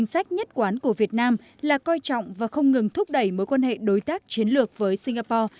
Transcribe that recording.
sách nhất quán của việt nam là coi trọng và không ngừng thúc đẩy mối quan hệ đối tác chiến lược với singapore